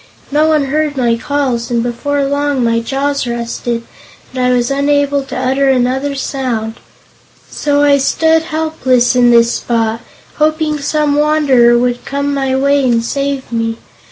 No one heard my calls and before long my jaws rusted, and I was unable to utter another sound. So I stood helpless in this spot, hoping some wanderer would come my way and save me.